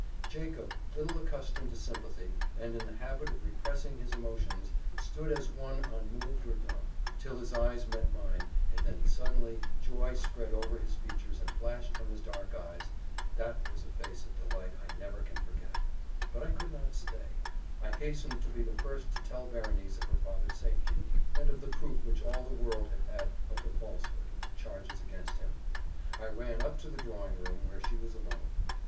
Jacob, little accustomed to sympathy, and in the habit of repressing his emotions, stood as one unmoved or dumb, till his eyes met mine, and then suddenly joy spread over his features and flashed from his dark eyes that was a face of delight I never can forget; but I could not stay: I hastened to be the first to tell Berenice of her father's safety, and of the proof which all the world had had of the falsehood of the charge against him. I ran up to the drawing room, where she was alone.